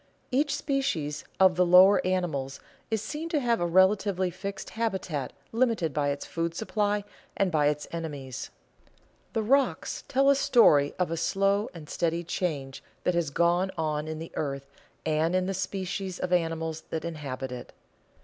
_Each species of the lower animals is seen to have a relatively fixed habitat limited by its food supply and by its enemies._ The rocks tell a story of a slow and steady change that has gone on in the earth and in the species of animals that inhabit it.